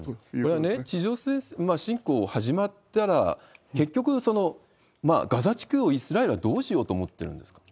ただね、地上侵攻が始まったら、結局、ガザ地区をイスラエルはどうしようと思ってるんですか？